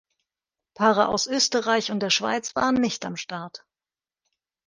Paare aus Österreich und der Schweiz waren nicht am Start.